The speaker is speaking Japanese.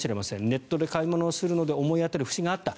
ネットで買い物をするので思い当たる節があった。